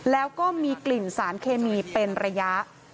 แล้วก็มีกลิ่นสารเคมีเป็นระยะ